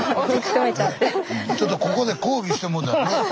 ちょっとここで講義してもうた。